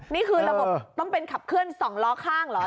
นี่คือระบบต้องเป็นขับเคลื่อน๒ล้อข้างเหรอ